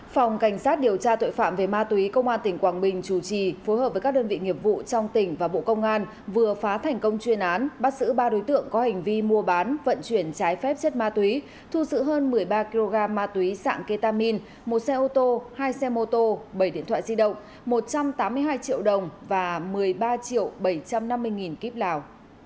phòng cảnh sát điều tra tội phạm về ma túy công an tỉnh quảng bình chủ trì phối hợp với các đơn vị nghiệp vụ trong tỉnh và bộ công an vừa phá thành công chuyên án bắt sử ba đối tượng có hành vi mua bán vận chuyển trái phép chất ma túy thu sử hơn một mươi ba kg ma túy sạng ketamin một xe ô tô hai xe mô tô bảy điện thoại di động một trăm tám mươi hai triệu đồng và một mươi ba triệu bảy trăm năm mươi nghìn kíp lào